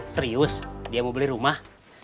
serius dia mau beli rumah